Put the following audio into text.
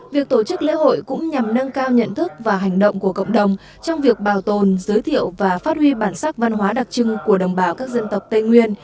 việc tổ chức lễ hội cũng nhằm nâng cao nhận thức và hành động của cộng đồng trong việc bảo tồn giới thiệu và phát huy bản sắc văn hóa đặc trưng của đồng bào các dân tộc tây nguyên